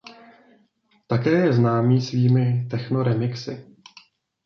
Také je známý svými techno remixy.